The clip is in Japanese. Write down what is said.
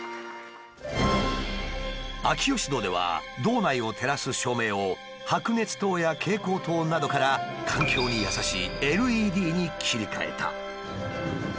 秋芳洞では洞内を照らす照明を白熱灯や蛍光灯などから環境に優しいＬＥＤに切り替えた。